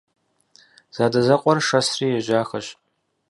Задэзэкъуэр шэсри ежьахэщ.